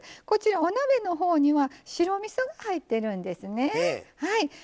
こちらお鍋の方には白みそが入ってるんですね。